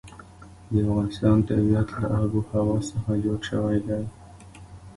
د افغانستان طبیعت له آب وهوا څخه جوړ شوی دی.